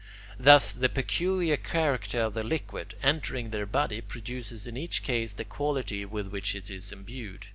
Thus, the peculiar character of the liquid, entering their body, produces in each case the quality with which it is imbued.